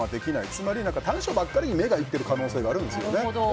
つまり短所ばかりに目がいっている可能性があるんですよね。